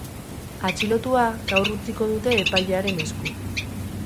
Atxilotua gaur utziko dute epailearen esku.